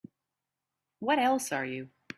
What else are you?